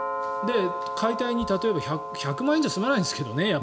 解体に１００万円じゃ済まないですけどね